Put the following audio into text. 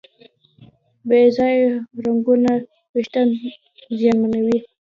بې ځایه رنګونه وېښتيان زیانمنوي.